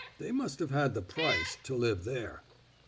They must 've had the price — to live there."